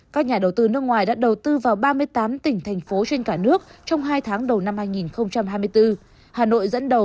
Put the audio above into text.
các nhà đầu tư nước ngoài đã đầu tư vào ba mươi tám tỉnh thành phố trên cả nước trong hai tháng đầu năm hai nghìn hai mươi bốn